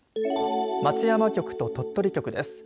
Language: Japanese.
松山局と鳥取局です。